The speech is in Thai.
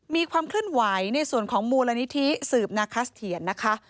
มีความเคลื่อนไหวในส่วนของมูลนิธิสืบนาคัสเถียรนะคะ